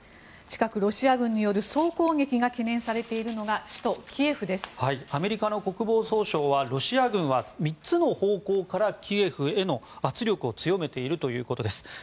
近く、ロシア軍による総攻撃が懸念されているのがアメリカの国防総省はロシア軍は３つの方向からキエフへの圧力を強めているということです。